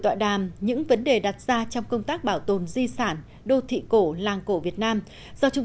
tọa đàm những vấn đề đặt ra trong công tác bảo tồn di sản đô thị cổ làng cổ việt nam do trung